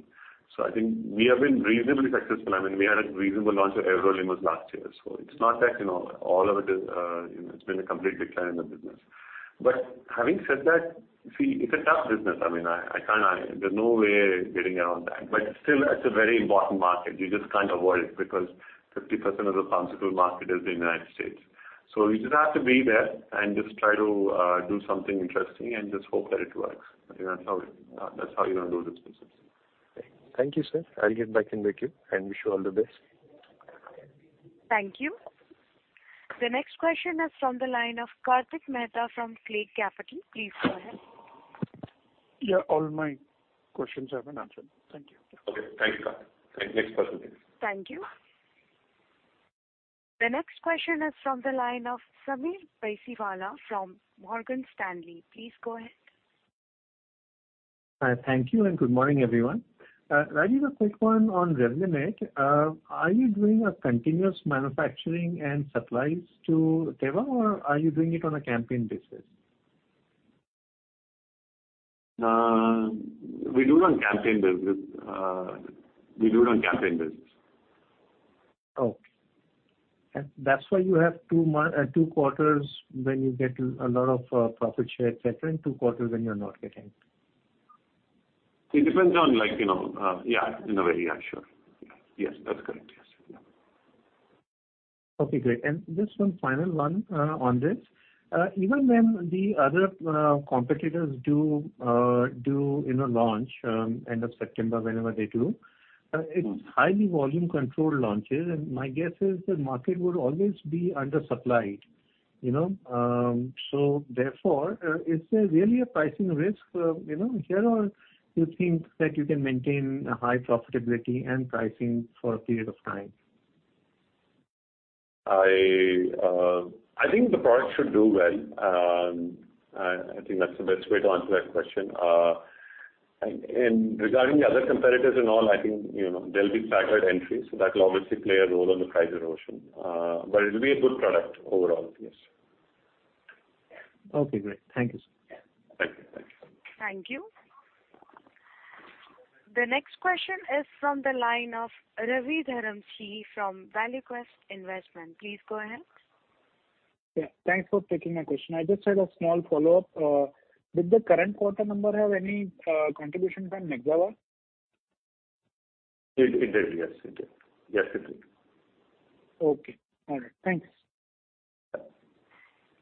Speaker 5: I think we have been reasonably successful. I mean, we had a reasonable launch of avelumab last year. It's not that all of it is it's been a complete decline in the business. Having said that, see, it's a tough business. I mean, I can't hide. There's no way getting around that. It's a very important market. You just can't avoid it because 50% of the possible market is the United States. You just have to be there and just try to do something interesting and just hope that it works. That's how you're going to do this business.
Speaker 16: Thank you, sir. I'll get back in with you and wish you all the best.
Speaker 1: Thank you. The next question is from the line of Kartik Mehta from Slate Capital. Please go ahead.
Speaker 17: Yeah, all my questions have been answered. Thank you.
Speaker 5: Okay, thank you, Kartik. Next person, please.
Speaker 1: Thank you. The next question is from the line of Sameer Baisiwala from Morgan Stanley. Please go ahead.
Speaker 18: Hi. Thank you, and good morning, everyone. Rajeev, a quick one on Revlimid. Are you doing a continuous manufacturing and supplies to Teva, or are you doing it on a campaign basis?
Speaker 5: We do it on campaign basis.
Speaker 18: Okay. That's why you have two quarters when you get a lot of profit share, et cetera, and two quarters when you're not getting.
Speaker 5: It depends on, like, you know. Yeah, in a way, yeah, sure. Yes. Yes, that's correct. Yes. Yeah.
Speaker 18: Okay, great. Just one final one on this. Even when the other competitors do launch end of September, whenever they do.
Speaker 5: Mm-hmm.
Speaker 18: It's highly volume controlled launches, and my guess is the market will always be undersupplied, you know. Therefore, is there really a pricing risk here or you think that you can maintain a high profitability and pricing for a period of time?
Speaker 5: I think the product should do well. I think that's the best way to answer that question. Regarding the other competitors and all, I think there'll be staggered entries, so that will obviously play a role on the price erosion. It'll be a good product overall. Yes.
Speaker 18: Okay, great. Thank you, sir.
Speaker 5: Thank you. Thank you.
Speaker 1: Thank you. The next question is from the line of Ravi Dharamshi from Valuequest Investment. Please go ahead.
Speaker 4: Yeah. Thanks for taking my question. I just had a small follow-up. Did the current quarter number have any contribution from Nexavar?
Speaker 5: It did, yes. It did. Yes, it did.
Speaker 4: Okay. All right. Thanks.
Speaker 5: Yeah.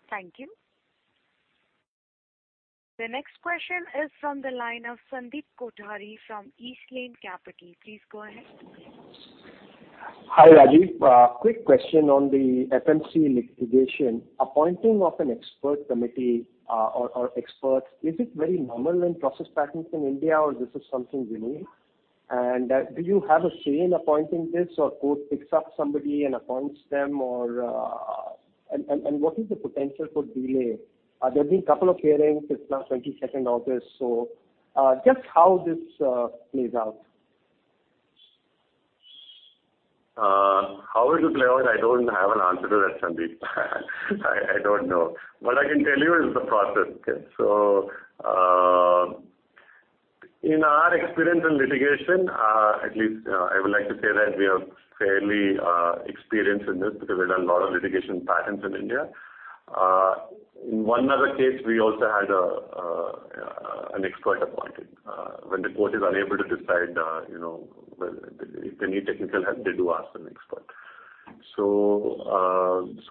Speaker 1: Thank you. The next question is from the line of Sandeep Kothari from East Lane Capital. Please go ahead.
Speaker 19: Hi, Rajeev. Quick question on the FMC litigation. Appointing of an expert committee or experts, is it very normal in process patents in India, or this is something unique? Do you have a say in appointing this or court picks up somebody and appoints them? What is the potential for delay? There have been a couple of hearings. It's now August 22. Just how this plays out.
Speaker 5: How it will play out, I don't have an answer to that, Sandeep. I don't know. What I can tell you is the process. In our experience in litigation, at least, I would like to say that we are fairly experienced in this because we've done a lot of litigation patents in India. In one other case, we also had an expert appointed. When the court is unable to decide whether if they need technical help, they do ask an expert. Is it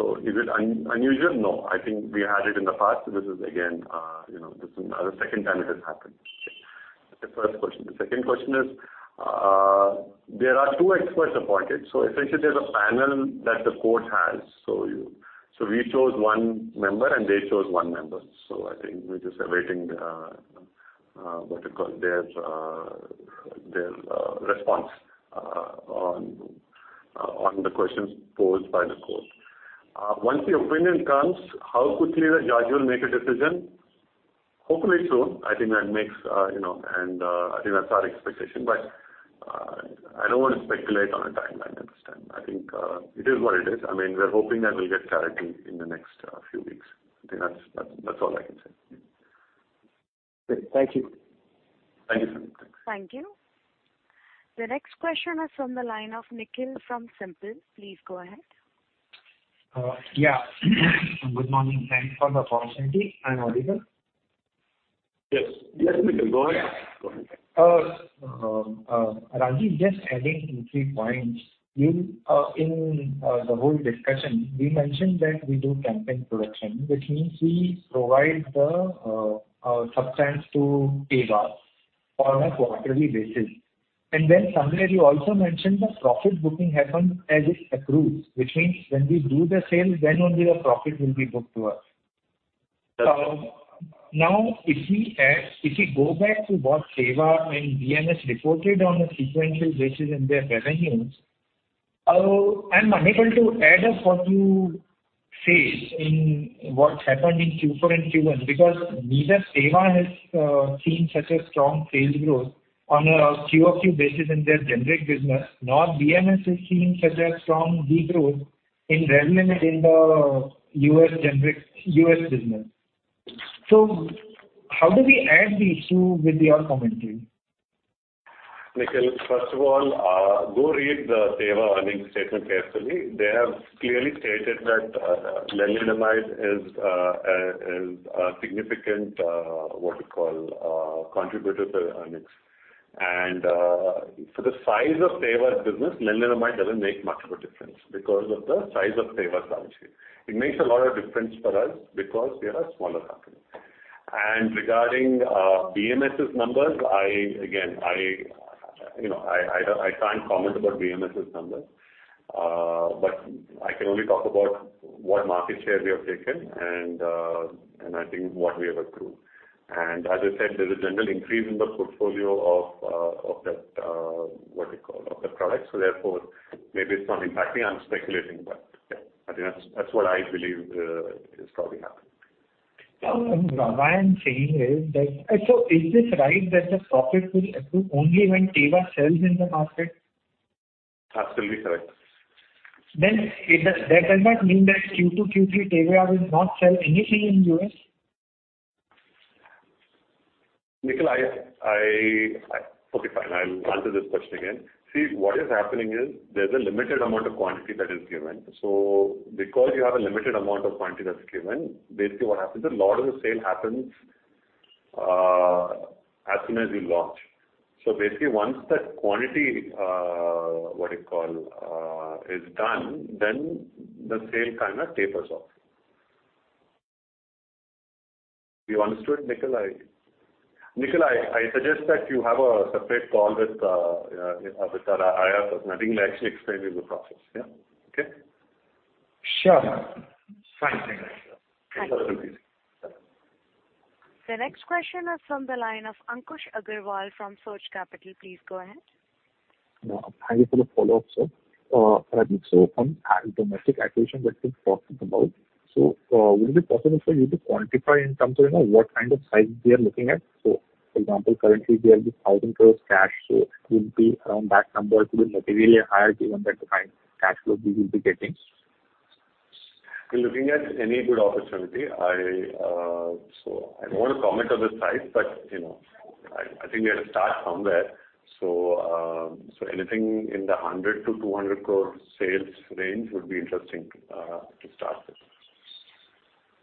Speaker 5: unusual? No, I think we had it in the past. This is again this is now the second time it has happened. Okay. That's the first question. The second question is, there are two experts appointed, so essentially there's a panel that the court has. We chose one member, and they chose one member. I think we're just awaiting what you call their response on the questions posed by the court. Once the opinion comes, how quickly the judge will make a decision? Hopefully soon. I think that makes you know. I think that's our expectation, but I don't want to speculate on a timeline at this time. I think it is what it is. I mean, we're hoping that we'll get clarity in the next few weeks. I think that's all I can say. Yeah.
Speaker 19: Great. Thank you.
Speaker 5: Thank you, Sandeep. Thanks.
Speaker 1: Thank you. The next question is from the line of Nikhil from Simpl. Please go ahead.
Speaker 20: Yeah. Good morning. Thanks for the opportunity. I'm audible?
Speaker 5: Yes, Nikhil. Go ahead.
Speaker 20: Rajeev, just adding 2-3 points. You, in the whole discussion, you mentioned that we do campaign production, which means we provide the substance to Teva on a quarterly basis. Then somewhere you also mentioned the profit booking happens as it approves, which means when we do the sale, then only the profit will be booked to us.
Speaker 5: That's right.
Speaker 20: If we go back to what Teva and BMS reported on a sequential basis in their revenues, I'm unable to add up what you say in what happened in Q4 and Q1 because neither Teva has seen such a strong sales growth on a QoQ basis in their generic business, nor BMS is seeing such a strong growth in Revlimid in the US business. How do we add these two with your commentary?
Speaker 5: Nikhil, first of all, go read the Teva earnings statement carefully. They have clearly stated that, lenalidomide is a significant, what you call, contributor to earnings. For the size of Teva's business, lenalidomide doesn't make much of a difference because of the size of Teva's balance sheet. It makes a lot of difference for us because we are a smaller company. Regarding, BMS' numbers, I again can't comment about BMS' numbers. I can only talk about what market share we have taken and I think what we have approved. As I said, there's a general increase in the portfolio of that, what do you call, of that product. Therefore, maybe it's not impacting. I'm speculating, but yeah, I think that's what I believe is probably happening.
Speaker 20: Is this right, that the profit will accrue only when Teva sells in the market?
Speaker 5: That's totally correct.
Speaker 20: That does not mean that Q2, Q3, Teva will not sell anything in U.S.?
Speaker 5: Nikhil, okay, fine. I'll answer this question again. See, what is happening is there's a limited amount of quantity that is given. So because you have a limited amount of quantity that's given, basically what happens, a lot of the sale happens as soon as you launch. So basically, once that quantity, what do you call, is done, then the sale kind of tapers off. You understood, Nikhil? Nikhil, I suggest that you have a separate call with with our IR person. I think they'll actually explain you the process. Yeah, okay?
Speaker 20: Sure. Thank you.
Speaker 5: Okay.
Speaker 1: The next question is from the line of Ankush Agrawal from Surge Capital. Please go ahead.
Speaker 6: Thank you for the follow-up, sir. On domestic acquisition that you've talked about, so would it be possible for you to quantify in terms of what kind of size we are looking at? For example, currently there is 1,000 crores cash, so it will be around that number to be materially higher given that the kind of cash flow we will be getting.
Speaker 5: We're looking at any good opportunity. I don't want to comment on the size, but I think we have to start somewhere. Anything in the 100 crore-200 crore sales range would be interesting to start with.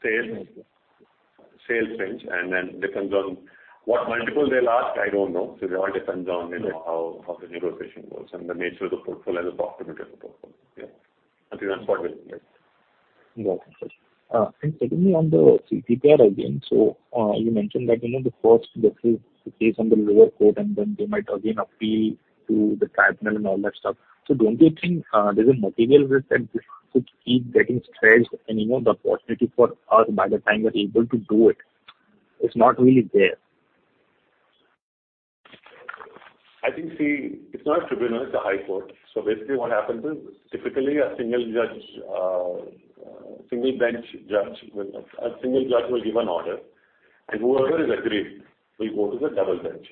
Speaker 5: Sales range, and then depends on what multiple they'll ask, I don't know. It all depends on how the negotiation goes and the nature of the portfolio, the profitability of the portfolio. Yeah. I think that's what we'll look at.
Speaker 6: Got it. Secondly, on the CTPR again. You mentioned that the first case, the case on the lower court, and then they might again appeal to the tribunal and all that stuff. Don't you think there's a material risk that this could keep getting stressed and the opportunity for us by the time we're able to do it's not really there?
Speaker 5: I think, see, it's not a tribunal, it's a high court. Basically what happens is, typically a single judge will give an order, and whoever is aggrieved will go to the double bench.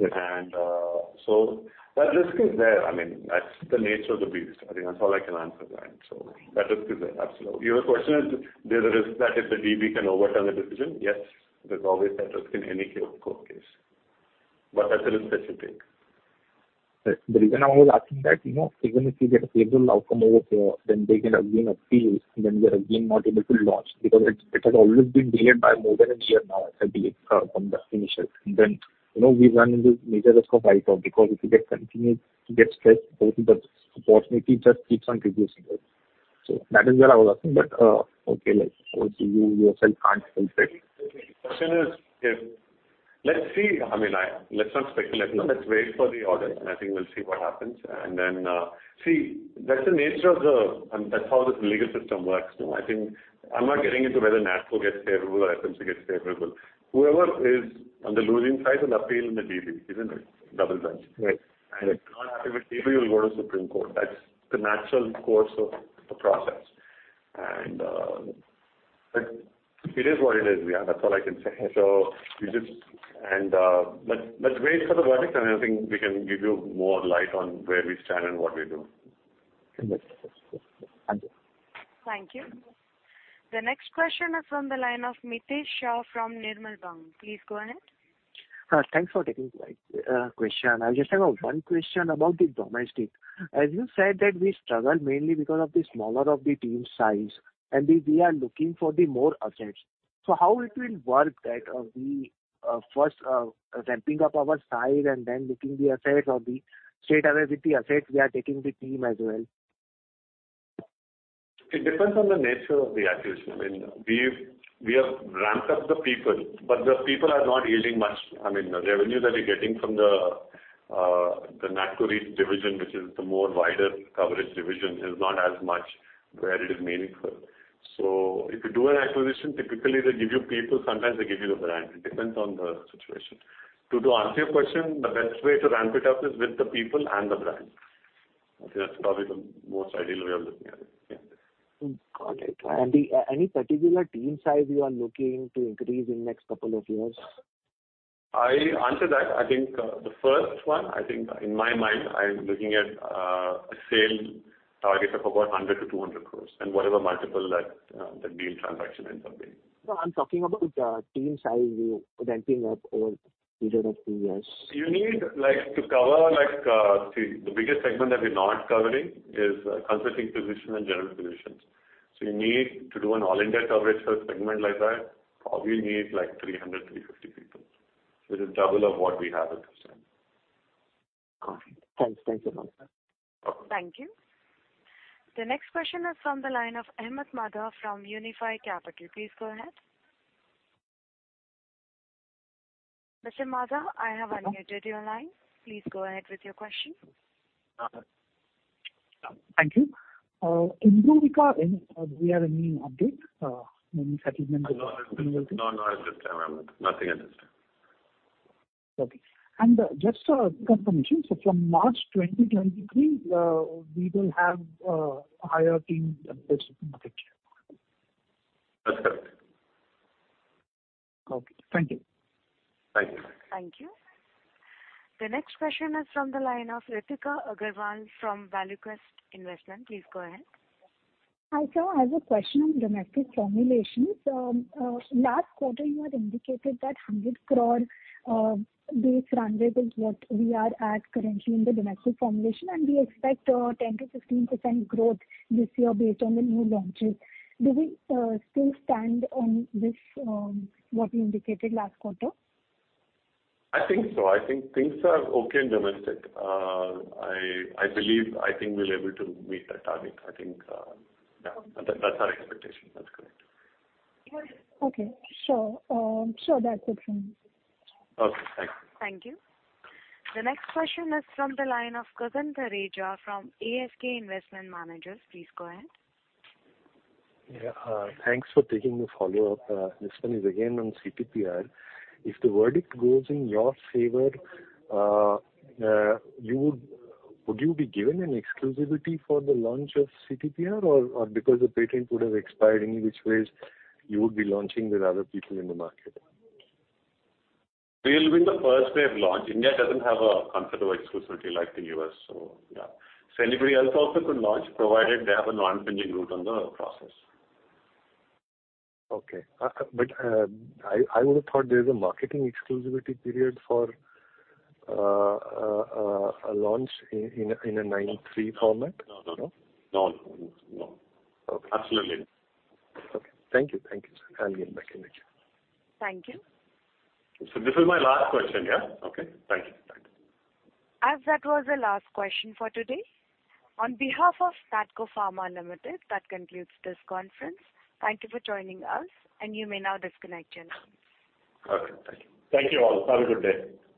Speaker 6: Okay.
Speaker 5: That risk is there. I mean, that's the nature of the beast. I think that's all I can answer that. That risk is there, absolutely. Your question is, there's a risk that if the DB can overturn the decision? Yes. There's always that risk in any court case. That's a risk that you take.
Speaker 6: Right. The reason I was asking that even if we get a favorable outcome over there, then they can again appeal, then we are again not able to launch because it has always been delayed by more than a year now, I believe, from the initial. then we run into major risk of IP because if you continue to get stressed, the opportunity just keeps on reducing. So that is where I was asking. Okay, like, obviously you yourself can't control it.
Speaker 5: Let's not speculate. Let's wait for the order, and I think we'll see what happens. Then, see, that's the nature of the. That's how the legal system works. No, I think I'm not getting into whether Natco gets favorable or FMC gets favorable. Whoever is on the losing side will appeal in the DB, isn't it? Double bench.
Speaker 6: Right.
Speaker 5: If you're not happy with DB, you'll go to Supreme Court. That's the natural course of the process. It is what it is. Yeah. That's all I can say. Let's wait for the verdict, and I think we can give you more light on where we stand and what we do.
Speaker 6: Understood. Thank you.
Speaker 1: Thank you. The next question is from the line of Mitesh Shah from Nirmal Bang. Please go ahead.
Speaker 21: Thanks for taking my question. I just have one question about the domestic. As you said that we struggle mainly because of the smaller of the team size, and we are looking for the more assets. How it will work that we first ramping up our size and then looking the assets or the straightaway with the assets we are taking the team as well?
Speaker 5: It depends on the nature of the acquisition. I mean, we have ramped up the people, but the people are not yielding much. I mean, the revenue that we're getting from the Natco Reach division, which is the more wider coverage division, is not as much where it is meaningful. If you do an acquisition, typically they give you people, sometimes they give you the brand. It depends on the situation. To answer your question, the best way to ramp it up is with the people and the brand. I think that's probably the most ideal way of looking at it. Yeah.
Speaker 21: Got it. Then any particular team size you are looking to increase in next couple of years?
Speaker 5: I answer that. I think the first one, I think in my mind, I'm looking at a sales target of about 100-200 crores and whatever multiple that the deal transaction ends up being.
Speaker 21: No, I'm talking about team size ramping up over a period of two years.
Speaker 5: You need, like, to cover, like, the biggest segment that we're not covering is consulting physicians and general physicians. You need to do an all India coverage for a segment like that, probably need like 300-350 people, which is double of what we have at this time.
Speaker 21: Okay. Thanks. Thank you very much, sir.
Speaker 5: Welcome.
Speaker 1: Thank you. The next question is from the line of Ahmed Madha from Unifi Capital. Please go ahead. Mr. Madha, I have unmuted your line. Please go ahead with your question.
Speaker 7: Thank you. In risdiplam, any, we are awaiting update, maybe settlement.
Speaker 5: No, not at this time, Ahmed. Nothing at this time.
Speaker 7: Okay. Just a confirmation. From March 20, 2023, we will have a higher team.
Speaker 5: That's correct.
Speaker 7: Okay, thank you.
Speaker 5: Thank you.
Speaker 1: Thank you. The next question is from the line of Ritika Aggarwal from Valuequest Investment. Please go ahead.
Speaker 10: Hi, sir, I have a question on domestic formulation. Last quarter you had indicated that 100 crore base run rate is what we are at currently in the domestic formulation, and we expect 10%-15% growth this year based on the new launches. Do we still stand on this, what you indicated last quarter?
Speaker 5: I think so. I think things are okay in domestic. I believe, I think we're able to meet that target, I think. Yeah, that's our expectation. That's correct.
Speaker 10: Okay. Sure, that's it from me.
Speaker 5: Okay, thank you.
Speaker 1: Thank you. The next question is from the line of Gagan Thareja from ASK Investment Managers. Please go ahead.
Speaker 16: Yeah. Thanks for taking the follow-up. This one is again on CTPR. If the verdict goes in your favor, would you be given an exclusivity for the launch of CTPR or because the patent would have expired, in which case you would be launching with other people in the market?
Speaker 5: We will be the first wave launch. India doesn't have a concept of exclusivity like the U.S., so yeah. Anybody else also could launch, provided they have a non-infringing route on the process.
Speaker 16: I would have thought there's a marketing exclusivity period for a launch in a three-year exclusivity.
Speaker 5: No. No. No.
Speaker 16: No?
Speaker 5: No, no.
Speaker 16: Okay.
Speaker 5: Absolutely.
Speaker 16: Okay. Thank you. Thank you, sir. I'll get back in touch.
Speaker 1: Thank you.
Speaker 5: This is my last question, yeah? Okay. Thank you. Thank you.
Speaker 1: As that was the last question for today, on behalf of Natco Pharma Limited, that concludes this conference. Thank you for joining us, and you may now disconnect your lines.
Speaker 5: Okay. Thank you. Thank you all. Have a good day.